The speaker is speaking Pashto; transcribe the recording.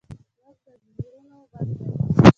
غږ د زړونو غږ دی